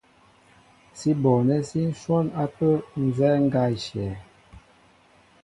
Sí bonɛ́ sí ǹhwɔ́n ápə́ nzɛ́ɛ́ ŋgá í shyɛ̄.